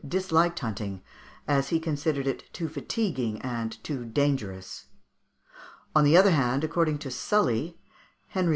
disliked hunting, as he considered it too fatiguing and too dangerous. On the other hand, according to Sully, Henry IV.